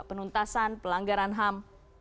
penuntasan pelanggaran ham